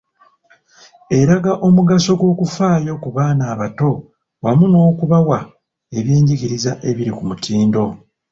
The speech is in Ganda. Eraga omugaso gw’okufaayo ku baana abato wamu n’okubawa eby’enjigiriza ebiri ku mutindo.